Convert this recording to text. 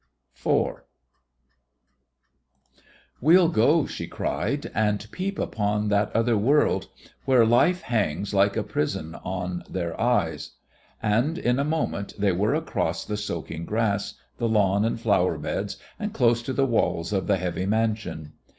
4 "We'll go," she cried, "and peep upon that other world where life hangs like a prison on their eyes!" And, in a moment, they were across the soaking grass, the lawn and flower beds, and close to the walls of the heavy mansion.